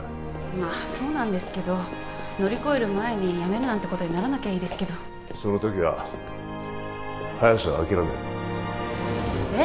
まあそうなんですけど乗り越える前にやめるなんてことにならなきゃいいですけどその時は早瀬は諦めるえっ！？